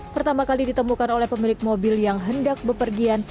pertama kali ditemukan oleh pemilik mobil yang hendak bepergian